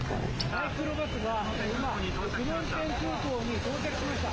マイクロバスが今、到着しました。